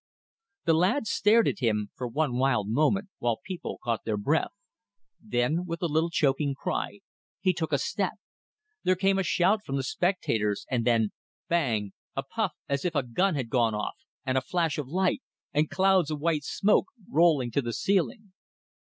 The lad stared at him, for one wild moment, while people caught their breath; then, with a little choking cry, he took a step. There came a shout from the spectators, and then Bang! a puff as if a gun had gone off, and a flash of light, and clouds of white smoke rolling to the ceiling.